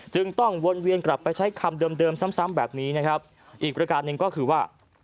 จึงต้องวนเวียนกลับไปใช้คำเดิมเดิมซ้ำซ้ำแบบนี้นะครับอีกประการหนึ่งก็คือว่า